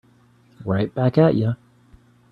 Right back at you.